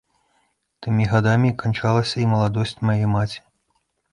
Тымі гадамі канчалася і маладосць мае маці.